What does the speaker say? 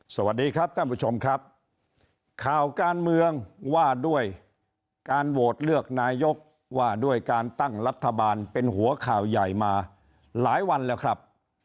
สวัสดีครับท่านผู้ชมครับข่าวการเมืองว่าด้วยการโหวตเลือกนายกว่าด้วยการตั้งรัฐบาลเป็นหัวข่าวใหญ่มาหลายวันแล้วครับ